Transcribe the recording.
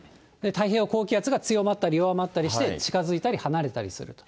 太平洋高気圧が強まったり弱まったりして、近づいたり離れたりすると。